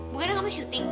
bukannya kamu syuting